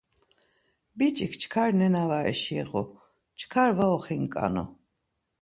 Biç̌ik çkar nena var eşiğu, çkar var oxinǩanu.